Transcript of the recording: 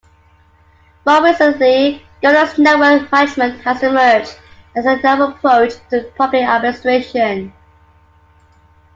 More recently, Governance Network management has emerged as a novel approach to public administration.